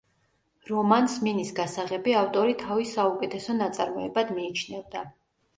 რომანს „მინის გასაღები“ ავტორი თავის საუკეთესო ნაწარმოებად მიიჩნევდა.